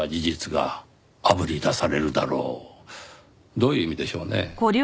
どういう意味でしょうね？